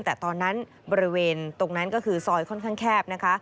แต่ตอนนั้นบริเวณตรงนั้นก็คือซอยค่อนข้างแคบนะคะ